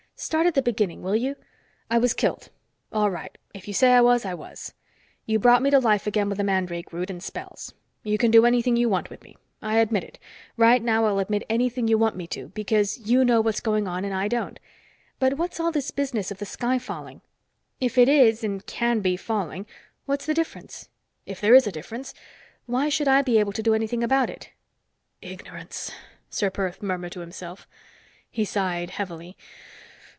Start at the beginning, will you? I was killed; all right, if you say I was, I was. You brought me to life again with a mandrake root and spells; you can do anything you want with me. I admit it; right now, I'll admit anything you want me to, because you know what's going on and I don't. But what's all this business of the sky falling? If it is and can be falling, what's the difference? If there is a difference, why should I be able to do anything about it?" "Ignorance!" Ser Perth murmured to himself. He sighed heavily.